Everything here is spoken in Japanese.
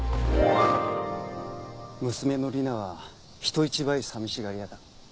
「娘の莉奈は人一倍寂しがり屋だ」。